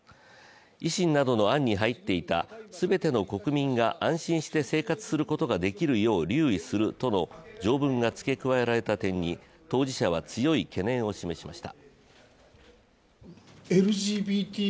維新などの案に入っていた「全ての国民が安心して生活するよう留意する」との条文が付け加えられた点に当事者は強い懸念を示しました。